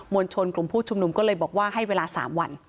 วลชนกลุ่มผู้ชุมนุมก็เลยบอกว่าให้เวลา๓วัน